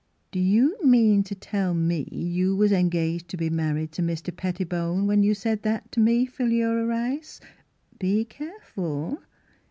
" Do you mean to tell me you was en gaged to be married to Mr. Pettibone when you said that to me, Philura Rice? Be careful!